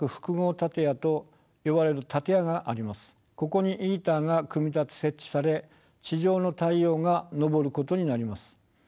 ここにＩＴＥＲが組み立て設置され地上の太陽が昇ることになります。